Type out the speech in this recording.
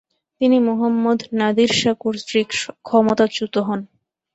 তিনি মুহাম্মদ নাদির শাহ কর্তৃক ক্ষমতাচ্যুত হন।